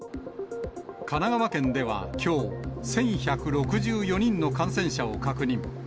神奈川県ではきょう、１１６４人の感染者を確認。